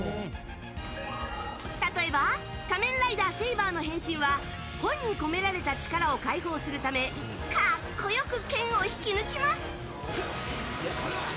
例えば仮面ライダーセイバーの変身は本に込められた力を解放するため格好よく剣を引き抜きます。